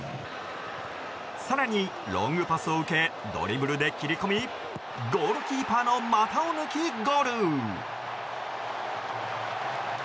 更に、ロングパスを受けドリブルで切り込みゴールキーパーの股を抜きゴール。